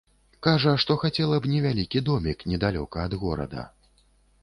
Кажа, што хацела б невялікі домік недалёка ад горада.